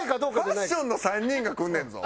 ファッションの３人が来んねんぞ？